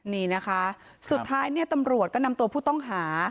นี่นะคะสุดท้ายเนี่ยตำรวจก็นำตัวผู้ต้องหา